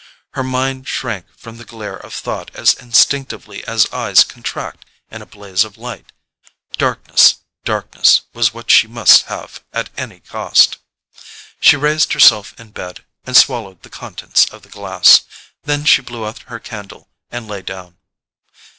Her mind shrank from the glare of thought as instinctively as eyes contract in a blaze of light—darkness, darkness was what she must have at any cost. She raised herself in bed and swallowed the contents of the glass; then she blew out her candle and lay down.